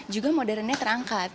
juga modernnya terangkat